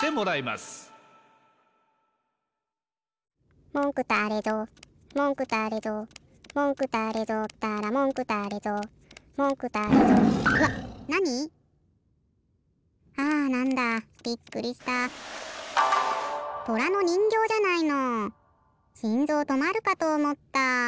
しんぞうとまるかとおもった。